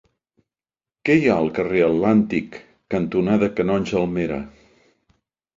Què hi ha al carrer Atlàntic cantonada Canonge Almera?